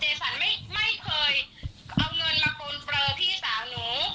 สันไม่เคยเอาเงินมาปูนเฟรอพี่สาวหนู